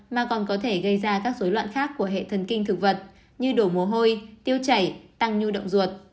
mà còn có thể gây ra các dối loạn khác của hệ thần kinh thực vật như đổ mồ hôi tiêu chảy tăng nhu động ruột